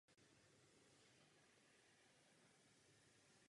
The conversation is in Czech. Jako žák navštěvoval skotské gymnázium a univerzitu ve Vídni.